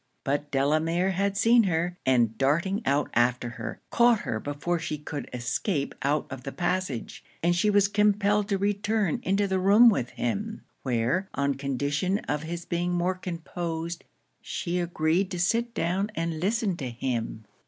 But Delamere had seen her; and darting out after her, caught her before she could escape out of the passage, and she was compelled to return into the room with him; where, on condition of his being more composed, she agreed to sit down and listen to him.